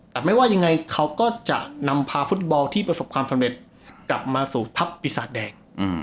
แต่ไม่ว่ายังไงเขาก็จะนำพาฟุตบอลที่ประสบความสำเร็จกลับมาสู่ทัพปีศาจแดง